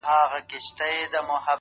زه يې د ميني په چل څنگه پوه كړم؛